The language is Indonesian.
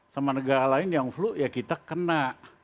sama negara lain yang flu ya kita kena